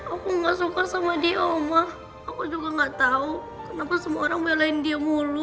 aku gak suka sama dia omah aku juga gak tahu kenapa semua orang belain dia mulu